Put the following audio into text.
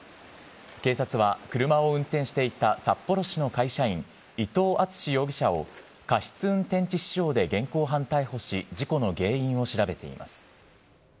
警察は、車を運転していた札幌市の会社員、伊藤篤容疑者を、過失運転致死傷で現行犯逮捕し、事故の原因を調べています。